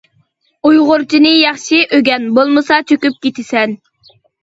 ئۇيغۇرچىنى ياخشى ئۆگەن بولمىسا چۆكۈپ كېتىسەن.